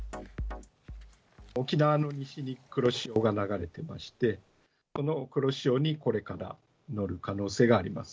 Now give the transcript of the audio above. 沖縄の西に黒潮が流れてまして、この黒潮にこれから乗る可能性があります。